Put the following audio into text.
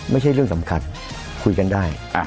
ไม่ใช่เรื่องสำคัญคุยกันได้